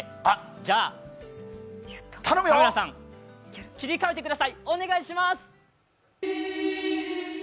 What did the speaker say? じゃ、カメラさん、切り替えてください、お願いします！